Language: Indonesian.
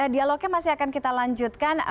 dialognya masih akan kita lanjutkan